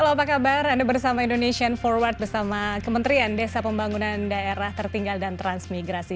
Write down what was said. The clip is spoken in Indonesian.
halo apa kabar anda bersama indonesian forward bersama kementerian desa pembangunan daerah tertinggal dan transmigrasi